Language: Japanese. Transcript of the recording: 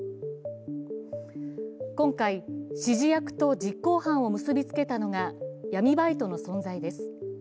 今回、指示役と実行犯を結びつけたのが闇バイトの存在です。